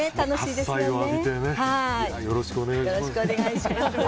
では、よろしくお願いします。